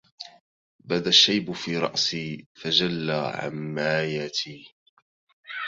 بدا الشيب في رأسي فجلى عمايتي